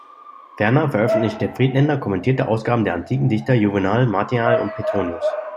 Ferner veröffentlichte Friedländer kommentierte Ausgaben der antiken Dichter Juvenal, Martial und Petronius.